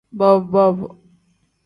Bob-bob.